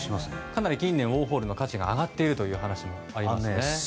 かなり近年ウォーホルの価値が上がっているという話もありますよね。